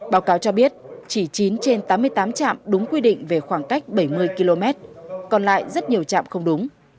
báo cáo cho biết chỉ chín trên tám mươi tám chạm đúng quy định về khoảng cách bảy mươi km còn lại rất nhiều trạm không đúng